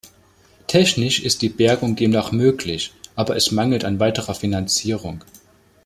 Technisch ist die Bergung demnach möglich, aber es mangelt an weiterer Finanzierung.